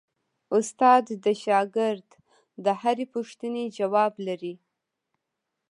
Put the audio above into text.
استاد د شاګرد د هرې پوښتنې ځواب لري.